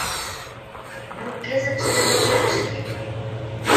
Ну, кӹзӹтшӹ мӹнь обедӹш кем».